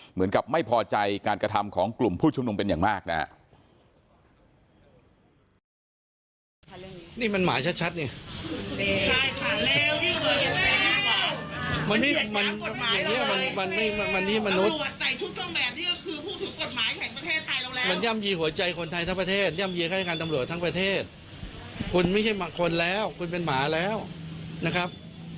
เหมือนกับไม่พอใจการกระทำของกลุ่มผู้ชุมนุมเป็นอย่างมากนะครับ